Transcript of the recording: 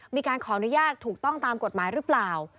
มีการขออนุญาตถูกต้องตามกฎหมายหรือเปล่า